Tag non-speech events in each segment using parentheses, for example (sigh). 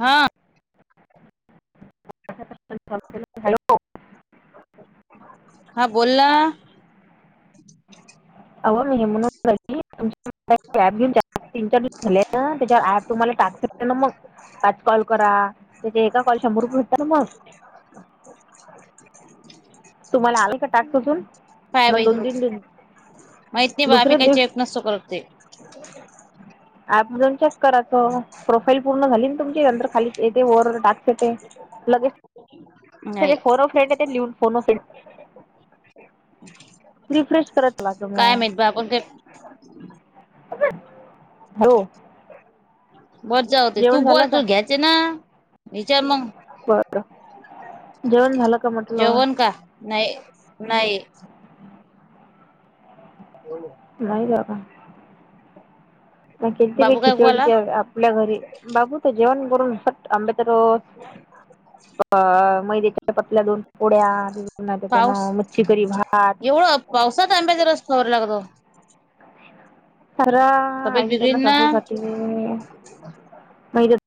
हा हॅलो हा बोलला अह मी म्ह कॅब घेऊ तीनार (inaudible) झाले त्याच्यावर ऍप तुम्हाला टाक ना मग पाच कॉल करा. त्याचे एका कॉल शंभर रुपये होत्यात मग तुम्हाला आलं का टास्क अजून. मला दोन, तीन दिन माहिती नाही. बा आम्ही काही चेक नसतो. करत ते ॲप म्हणून चेक करत. प्रोफाईल पूर्ण झाली. ना तुमची नंतर खालीच येथे वर टास्क येतेे. लगेच तेथे नाही फोनअ फ्रेंड देते. लिहून फोन अ फ्रेंड रिफ्रेश करत रहात. काय माहित. (unintelligible) अगं! हॅलो. बर जावूदे. तू जेवण झालं बोल का तू घ्यायचे ना विचार मं. बरं (unintelligible) जेवण झालं का म्हंटलं. नाही नाही बोल नाही जा का नाही. कती बी बाबू काय खिचडी बोला ते आपल्या घरी बाबू चं जेवण करून. सट आंबे तर (unintelligible) अं मै (unintelligible) पतल्या दोन पोड्या पाऊस त्यानं मच्छीकरी भात एवढं पावसात आंब्याचा रस गोड लागतो. खरा तब्येत आईनं त्यांना बिघडीन ना सासूसाठी पाहिजेत.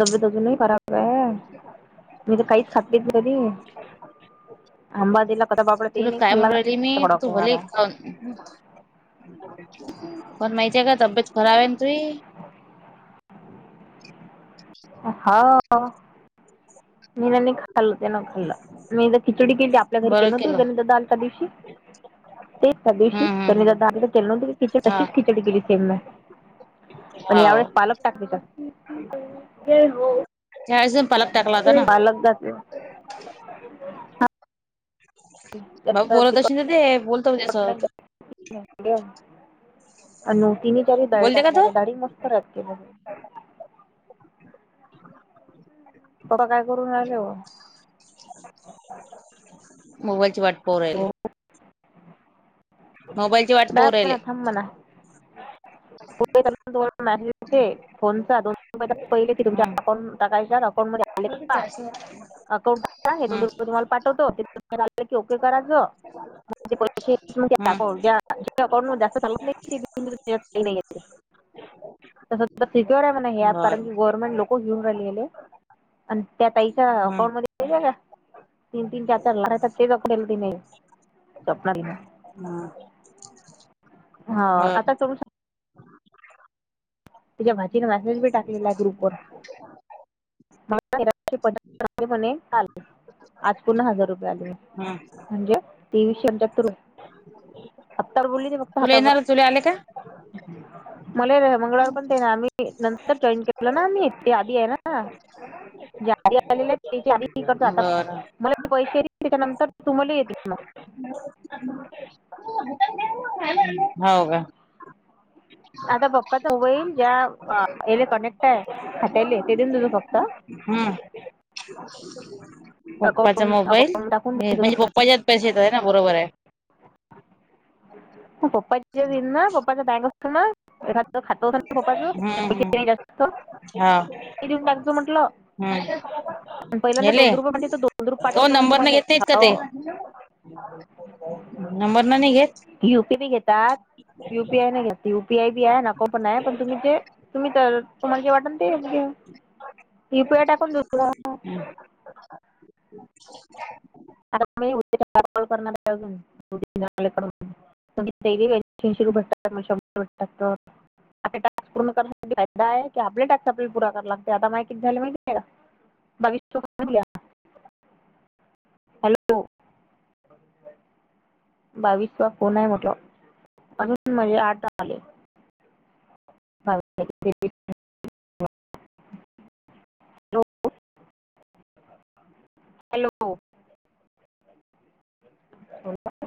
तब्येत अजूनही खराब आहे. मी तर काहीच खात पीत (inaudible) आंबा दिला. कसा बापडा तेही तुला नाही काय खाल्ला म्हणून राहिले मी तगडा तू भले कुवारा अं पण माहिती आहे का? तब्येत खराब आहे ना तुझी. हां. मीनं नाही खाल्लं. ते नं खाल्लं. मीनं खिचडी केलती. आपल्या घरी केलं नव्हती. (unintelligible) डाल ता दिवशी. तेच त्या दिवशी हम्म हम्म हम्म (unintelligible) खिचडी हा तशीच खिचडी केली सेम मी. पण या हो वेळेस पालक टाकलेला. (unintelligible) होता ना पालक जाते. बा बोलत असेल ना ते बोल. अणं तिन्ही, चारी डाळी बोलते का टाकल्या. तो डाळी मं फरकी मगं तोंड काय? करून राहिले. ओ मोबाईलची वाट पाहुन राहिले. मोबाईलची वाट पाहू राहिले मॅमना थांब म्हणा. फोनचं दोन रूपये पहिले. की तुमच्या हम्म अकाउंट टाकायच्यात फोनमध्ये आले का. अकाउंटला हे दोन हम्म रूपये तुम्हाला पाठवतो. ते तुम्हाला आले की ओके करायचं. माझे पैसे हां अकाउंट ज्या अकाउंटमध्ये जास्त चालत नाही. (unintelligible) नाहीेत. तसचं सिक्युर आहे. म्हणं हे ॲप कारण बर (unintelligible) (unintelligible) अणं त्या ताईच्या हम्म अकाउंट मध्ये माहीत आहे का. तीन, तीन, चार, चार लागायचे. (unintelligible) ती नाही स्वपनालीला. हमां..... होय आता करू तिच्या भाचीनं मेसेज बी टाकलेला. ग्रुप वर (unintelligible) मला तेलाचे पदार्थ (unintelligible) काल आज पुन्हा हजार रुपये आले मी हम्म म्हणजे तेीवीसशे पंच्याहत्तर आहे आत्तावर बोलली त फक्त तुला हातावर येणार तुला आले का मला मंगळवार पण आम्ही नंतर जॉईन केलो ना आम्ही ते आधी आहे ना आले त्याच्या आधी करत आता बर मला पैसे त्याच्यानंतर तुम्हाला येतील मग हो का आता पप्पा तबईल ज्या याले कनेक्ट आहे खात्याले ते देऊन त तो फक्त हम् पप्पाचा अकाउंट मोबाईल अकाउंट टाकून देतो म्हणजे पप्पाच्यात पैसे येतात ना बरोबर आहे पपाच्या दिना पपाच्या बँक असतना एखा खात खोपच हम्म पैसे हम्म नाही जास्त हा ये देवून थॅंक्यू! म्हंटलं. हमं येले. बुद्रुक पाठवतो मणं तुम्हाले हो. ते नं मर नन गेत युपी बी घेतात यूपीआय नाही घेत युपीआय बी आहे नको पण आहे पण तुम्ही जे तुम्ही तर तुम्हाला जे वाटल ते योग घ्य यु पीआय टाकून देु आ उ त डेलीऐंे रुपये शंभरट आता टास्क पूर्ण करण्यासाठी फादा आहेि आपले टास्क आपल्या प पुराव लागते आता माहिती झाले माहिती भविष्य या हॅलो बावीस वा फोन आहे म्हटला अजून म्हजे आठ आले बा हॅलो हॅलो